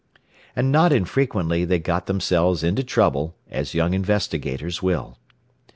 And not infrequently they got themselves into trouble, as young investigators will.